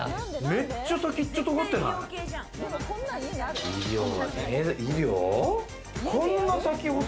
めっちゃ先っちょ、とがって医療？